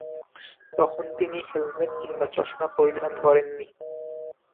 তখন তিনি হেলমেট কিংবা চশমা পরিধান করেননি।